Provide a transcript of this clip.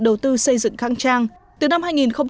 đầu tư xây dựng kháng trang từ năm